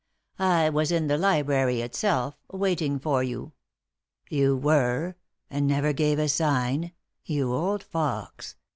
"" I was in the library itself, waiting for you." " You were f And never gave a sign ? You old fox